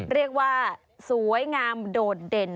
เรียกว่าสวยงามโดดเด่น